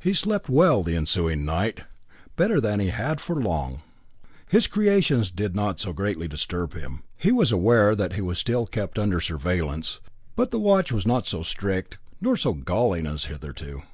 He slept well the ensuing night, better than he had for long. His creations did not so greatly disturb him. He was aware that he was still kept under surveillance, but the watch was not so strict, nor so galling as hitherto.